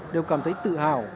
đều cảm thấy tự hào